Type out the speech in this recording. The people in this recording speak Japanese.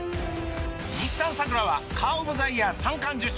日産サクラはカーオブザイヤー三冠受賞！